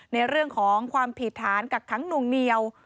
ในเรื่องของความผิดฐานกักขังหน่วงเหนียว